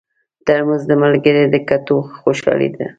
ترموز د ملګري د کتو خوشالي ده.